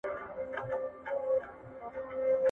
ښوونکی وویل چې نظم مهم دی.